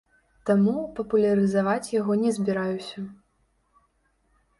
Таму папулярызаваць яго не збіраюся.